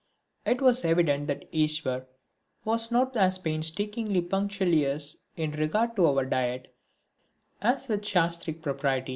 It was evident that Iswar was not as painstakingly punctilious in regard to our diet as with the shastric proprieties.